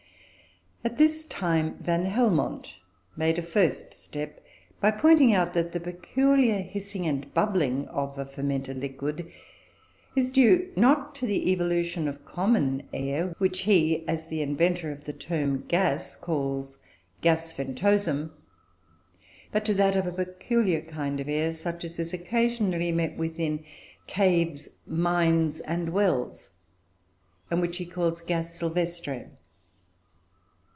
At this time, Van Helmont made a first step, by pointing out that the peculiar hissing and bubbling of a fermented liquid is due, not to the evolution of common air (which he, as the inventor of the term "gas," calls "gas ventosum"), but to that of a peculiar kind of air such as is occasionally met with in caves, mines, and wells, and which he calls "gas sylvestre."